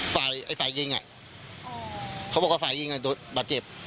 ฝ่ายฝ่ายยิงเขาบอกว่าฝ่ายยิงโดนบาดเจ็บ